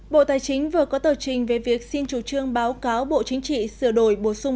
bộ tài chính vừa có tờ trình về việc xin chủ trương báo cáo bộ chính trị sửa đổi bổ sung